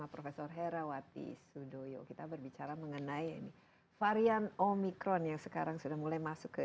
profesor herawati sudoyo kita berbicara mengenai varian omikron yang sekarang sudah mulai masuk ke